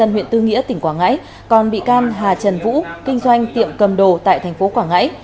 hà bị can hà trần vũ kinh doanh tiệm cầm đồ tại tp quảng ngãi